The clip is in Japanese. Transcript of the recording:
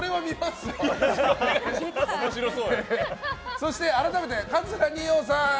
そして、改めて桂二葉さん